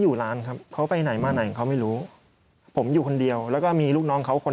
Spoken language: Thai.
อยู่ร้านครับเขาไปไหนมาไหนเขาไม่รู้ผมอยู่คนเดียวแล้วก็มีลูกน้องเขาคน